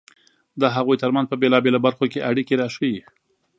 د هغوی ترمنځ په بېلابېلو برخو کې اړیکې راښيي.